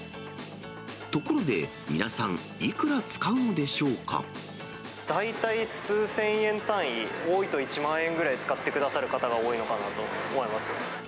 ところで、皆さん、大体数千円単位、多いと１万円ぐらい使ってくださる方が多いのかなと思います。